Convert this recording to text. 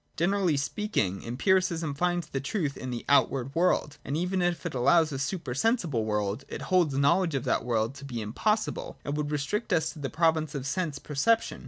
Generally speaking, Empiricism finds the truth in the outward world ; and even if it allow a super sensible world, it holds knowledge of that world to be impossible, and would restrict us to the province of sense perception.